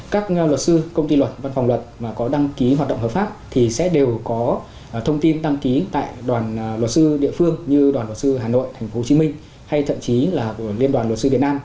các luật sư công ty luật văn phòng luật mà có đăng ký hoạt động hợp pháp thì sẽ đều có thông tin đăng ký tại đoàn luật sư địa phương như đoàn luật sư hà nội tp hcm hay thậm chí là liên đoàn luật sư việt nam